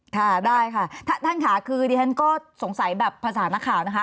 ค่ะได้ค่ะท่านค่ะคือดิฉันก็สงสัยแบบภาษานักข่าวนะคะ